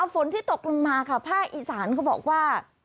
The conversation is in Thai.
ฝนที่ตกลงมาค่ะภาคอีสานเขาบอกว่า